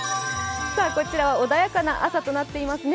こちらは穏やかな朝となっていますね。